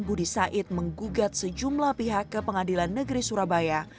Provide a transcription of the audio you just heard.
budi sait menggugat sejumlah pihak kepengadilan negeri surabaya